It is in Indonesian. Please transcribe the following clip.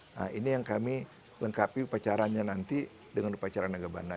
nah ini yang kami lengkapi upacaranya nanti dengan upacara nagabana